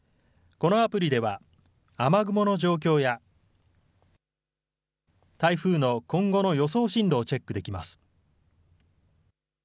このアプリでは雨雲の状況や台風の今後の予想進路をチェックできます。